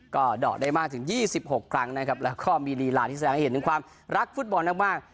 ก็เดาะได้มากถึง๒๖ครั้งนะครับแล้วก็มีลีลาที่แสดงให้เห็นถึงความรักฟุตบอลมาก